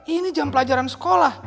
ini jam pelajaran sekolah